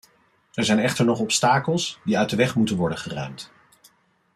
Er zijn echter nog obstakels die uit de weg moeten worden geruimd.